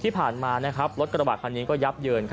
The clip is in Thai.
ที่ผ่านมารถกระบาดคันนี้ก็ยับเยิน